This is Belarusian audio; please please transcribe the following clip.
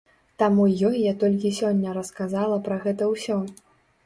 Таму ёй я толькі сёння расказала пра гэта ўсё.